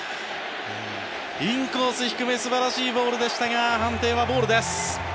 インコース低め素晴らしいボールでしたが判定はボールです。